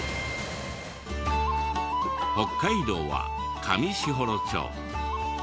北海道は上士幌町。